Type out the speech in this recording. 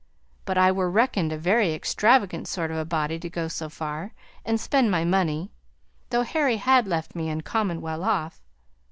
But I were reckoned a very extravagant sort of a body to go so far, and spend my money, though Harry had left me uncommon well off.